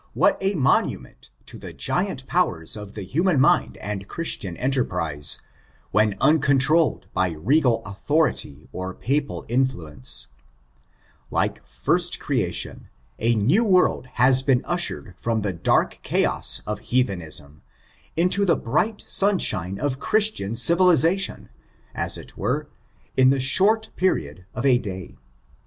What a monument to the giant powers of the human mind and Christian enterprise, when uncontrolled by regal authority or papal influence, like first creation, a new worid has been ushered from the dark chaos of heathenism, into the bright simshine of Christian civilization, as it were, in the abort period of a day.